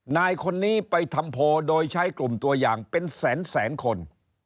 นายคนนี้ไปทำโพลโดยใช้กลุ่มตัวอย่างเป็นแสนคน